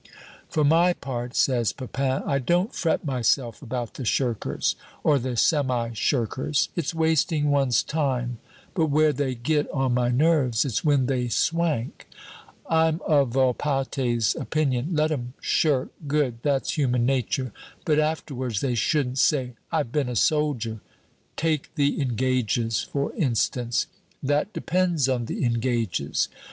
'" "For my part," says Pepin, "I don't fret myself about the shirkers or the semi shirkers, it's wasting one's time; but where they get on my nerves, it's when they swank. I'm of Volpatte's opinion. Let 'em shirk, good, that's human nature; but afterwards they shouldn't say, 'I've been a soldier.' Take the engages, [note 3] for instance " "That depends on the engages.